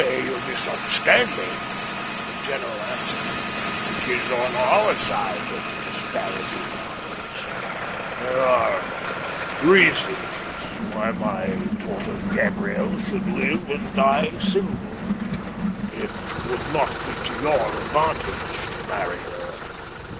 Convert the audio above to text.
"You misunderstand me," the general answered. "It is on our side that the disparity lies. There are reasons why my daughter Gabriel should live and die single. It would not be to your advantage to marry her."